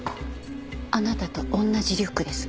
あなたと同じリュックです。